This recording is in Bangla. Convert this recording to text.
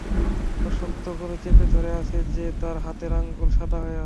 এত শক্ত করে চেপে ধরে আছে যে, তার হাতের আঙুল সাদা হয়ে আছে।